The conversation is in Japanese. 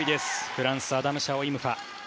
フランスアダム・シャオ・イム・ファ。